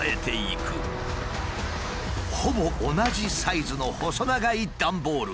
ほぼ同じサイズの細長い段ボール。